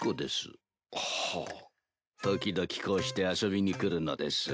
時々こうして遊びに来るのです。